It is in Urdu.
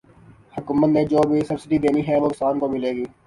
حکومت نے جو بھی سبسڈی دینی ہے وہ کسان کو ملے گی